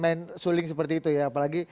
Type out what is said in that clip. main suling seperti itu ya apalagi